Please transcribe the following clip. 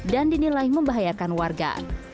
dan dinilai membahayakan warga